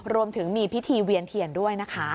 รวมถึงมีพิธีเวียนเทียนด้วยนะคะ